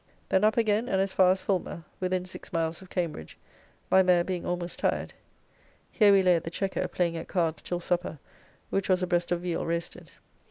Then up again and as far as Foulmer, within six miles of Cambridge, my mare being almost tired: here we lay at the Chequer, playing at cards till supper, which was a breast of veal roasted.